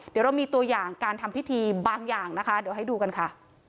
เดี๋ยวเรามีตัวอย่างการทำพิธีบางอย่างนะคะเดี๋ยวให้ดูกันค่ะ